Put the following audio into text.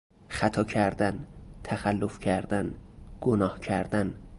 خطا کردن، تخلف کردن، گناه کردن